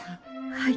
はい。